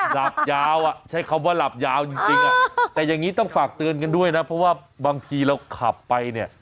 หลับยาวอ่ะใช้คำว่าหลับยาวจริงแต่อย่างนี้ต้องฝากเตือนกันด้วยนะเพราะว่าบางทีเราขับไปเนี่ย